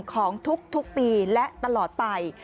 ของทุกปีและตลอดไป